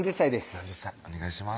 ４０歳お願いします